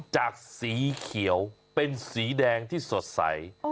สีเขียวเป็นสีแดงที่สดใส